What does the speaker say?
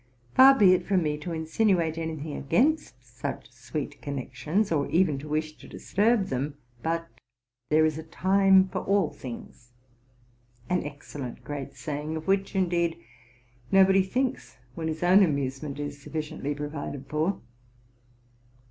Far be it from me to insinuate any thing against such sweet connections, or even to wish to disturb. them ; but ' there is a time for all things,' — an excellent great saying, of which, indeed, nobody thinks when his own amusement is sufliciently provided for.